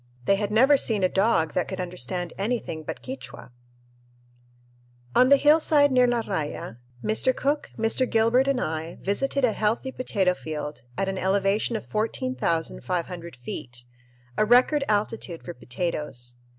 They had never seen a dog that could understand anything but Quichua! On the hillside near La Raya, Mr. Cook, Mr. Gilbert, and I visited a healthy potato field at an elevation of 14,500 feet, a record altitude for potatoes.